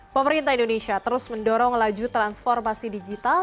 pemerintah indonesia terus mendorong laju transformasi digital